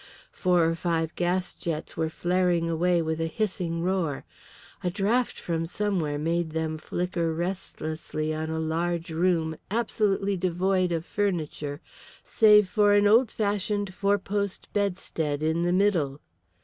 Four or five gas jets were flaring away with a hissing roar. A draught from somewhere made them flicker restlessly on a large room absolutely devoid of furniture save for an old fashioned four post bedstead in the middle.